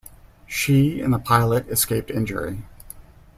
She and the pilot escaped injury.